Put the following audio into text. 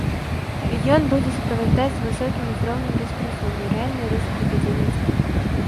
Ён будзе суправаджацца высокім узроўнем беспрацоўя, рэальнай рызыкай падзення цэн.